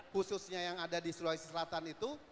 khususnya yang ada di sulawesi selatan itu